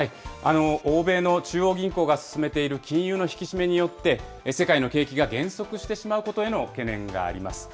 欧米の中央銀行が進めている金融の引き締めによって、世界の景気が減速してしまうことへの懸念があります。